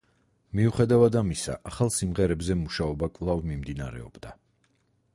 მიუხედავად ამისა, ახალ სიმღერებზე მუშაობა კვლავ მიმდინარეობდა.